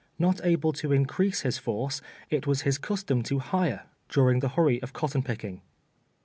ISTot able to increase his force, it was his custom to hire during the hurry of cotton picking.